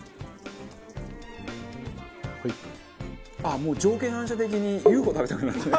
もう条件反射的にＵ．Ｆ．Ｏ．食べたくなる。